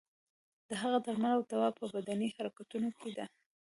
د هغه درمل او دوا په بدني حرکتونو کې ده.